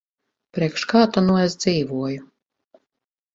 Priekš kā ta nu es dzīvoju.